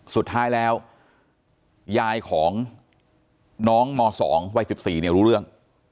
สุดท้ายแล้วยายของน้องม๒วัย๑๔เนี่ยรู้เรื่อง